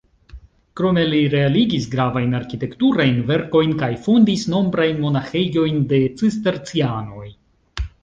Krome li realigis gravajn arkitekturajn verkojn kaj fondis nombrajn monaĥejojn de Cistercianoj.